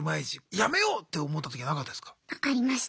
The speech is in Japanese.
やめようって思ったときなかったですか？